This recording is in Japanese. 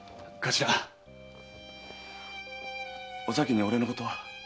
おさきに俺のことは。